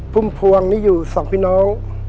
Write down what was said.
พุ่มพวงนี่อยู่สองพี่น้อง